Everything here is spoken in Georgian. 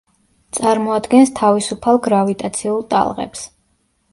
წარმოადგენს თავისუფალ გრავიტაციულ ტალღებს.